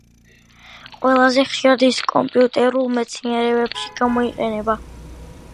ყველაზე ხშირად ის კომპიუტერულ მეცნიერებებში გამოიყენება.